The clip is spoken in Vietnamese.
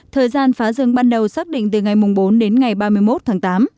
thời gian phá rừng ban đầu xác định từ ngày bốn đến ngày ba mươi một tháng tám